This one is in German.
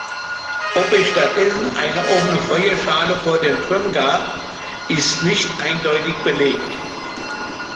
Ob es stattdessen eine offene Feuerschale vor dem Turm gab, ist nicht eindeutig belegt.